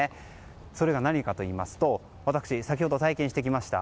それが何かというと、私先ほど、体験してきました。